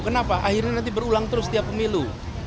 kenapa akhirnya nanti berulang terus setiap pemilu